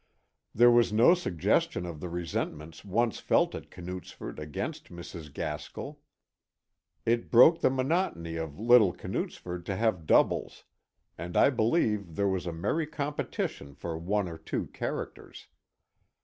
There was no suggestion of the resentments once felt at Knutsford against Mrs. Gaskell. It broke the mono tony of little Knutsford to have doubles, and I believe there was a merry competition for one or two characters.